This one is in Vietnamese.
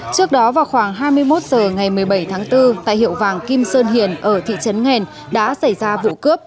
trước đó vào khoảng hai mươi một h ngày một mươi bảy tháng bốn tại hiệu vàng kim sơn hiền ở thị trấn nghèn đã xảy ra vụ cướp